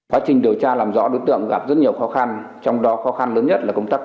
quá trình điều tra làm rõ đối tượng gặp rất nhiều khó khăn trong đó khó khăn lớn nhất là công tác